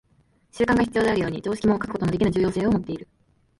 習慣が必要であるように、常識も欠くことのできぬ重要性をもっている。